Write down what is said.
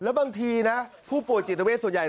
แล้วบางทีนะผู้ป่วยจิตเวทส่วนใหญ่